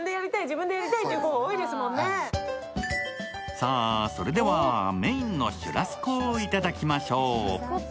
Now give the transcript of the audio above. さぁ、それではメインのシュラスコをいただきましょう。